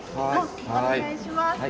「お願いします」って。